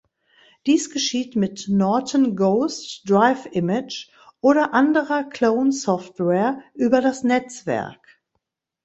Dies geschieht mit Norton Ghost, Drive Image oder anderer Clone-Software über das Netzwerk.